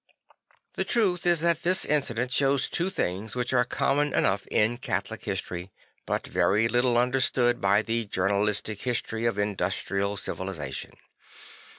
The truth is that this incident shows two things which are common enough in Catholic history, but very little understood by the journalistic history of industrial civilisa tion.